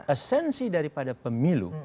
esensi daripada pemilu